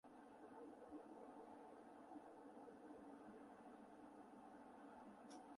Recently his alcoholism and womanizing has interfered with his work.